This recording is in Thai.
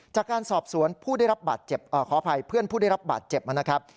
จากการสอบสวนเพื่อนผู้ได้รับบาดเจ็บนะครับ